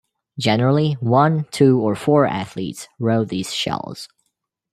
Generally, one, two, or four athletes row these shells.